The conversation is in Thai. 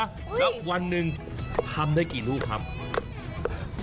แล้ววันหนึ่งทำได้กี่ลูกครับ